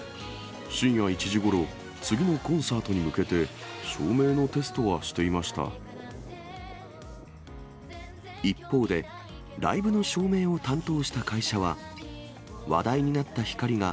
深夜１時ごろ、次のコンサートに向けて、一方で、ライブの照明を担当した会社は、話題になった光が、